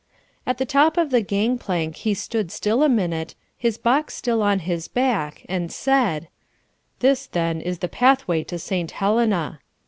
At the top of the gang plank he stood still a minute, his box still on his back, and said, "This then is the pathway to Saint Helena."